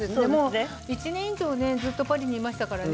１年以上ずっとパリにいましたからね。